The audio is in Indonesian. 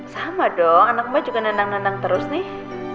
sama dong anak mbak juga nendang nendang terus nih